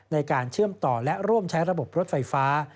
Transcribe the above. ในการเชื่อมต่อและร่วมใช้ระบบรถไฟฟ้า